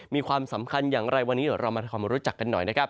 มีความสำคัญอย่างไรวันนี้เดี๋ยวเรามาทำความรู้จักกันหน่อยนะครับ